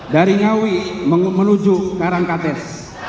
dari ngawi menuju karangkates